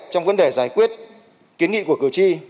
trong vấn đề giải quyết kiến nghị của cử tri